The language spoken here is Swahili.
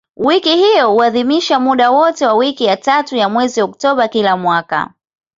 Wiki hiyo huadhimishwa muda wote wa wiki ya tatu ya mwezi Oktoba kila mwaka.